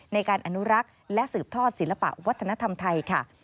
ในการอนุรักษ์และสืบทอดศิลปะวัฒนธรรมไทยค่ะ